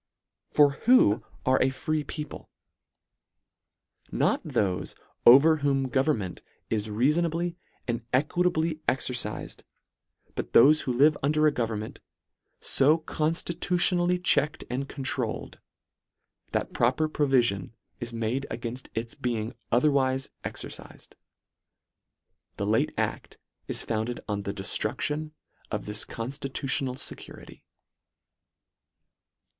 For who are a free people ? not thofe over whom govern ment is reafonably and equitably exercifed yb LETTER VII. but thofe who live under a government, fo conjlitutionally checked and controuled, that proper provision is made againft its being o therwife exercifed. The late aft is founded on the deftruclion of this conftitutional fecurity.